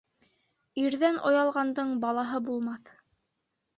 Ирҙән оялғандың балаһы булмаҫ.